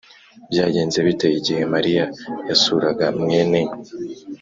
Byagenze bite igihe Mariya yasuraga mwene